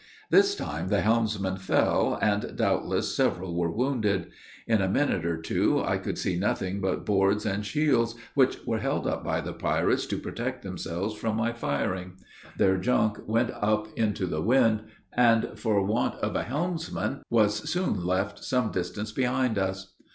This time the helmsman fell, and, doubtless, several were wounded. In a minute or two I could see nothing but boards and shields, which were held up by the pirates, to protect themselves from my firing; their junk went up into the wind, for want of a helmsman, and was soon left some distance behind us.